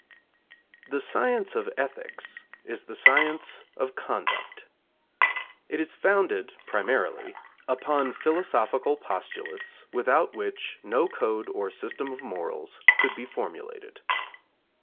The science of ethics is the science of conduct. It is founded, primarily, upon philosophical postulates without which no code or system of morals could be formulated.